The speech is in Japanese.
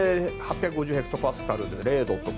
８５０ヘクトパスカルで０度と。